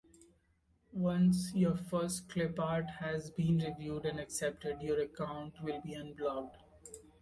Once your first clipart has been reviewed and accepted, your account will be unblocked.